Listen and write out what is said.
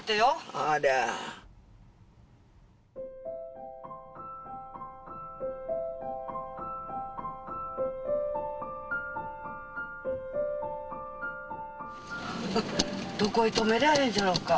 ありゃあどこへ止めりゃあええじゃろうか？